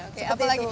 oke apa lagi